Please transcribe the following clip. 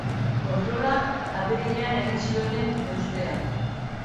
Kontrola apirilean egin zioten, ezustean.